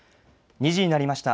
２時になりました。